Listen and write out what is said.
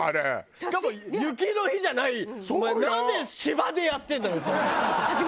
しかも雪の日じゃないお前なんで芝でやってんだよ？って思っちゃう。